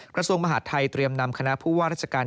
กระทรวงมหาดไทยเตรียมนำคณะผู้ว่าราชการ